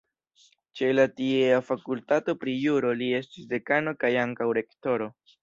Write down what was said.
Ĉe la tiea fakultato pri juro li estis dekano kaj ankaŭ rektoro.